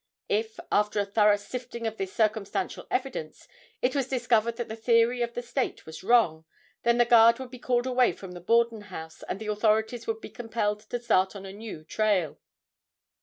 If, after a thorough sifting of this circumstantial evidence, it was discovered that the theory of the state was wrong, then the guard would be called away from the Borden house, and the authorities would be compelled to start on a new trail.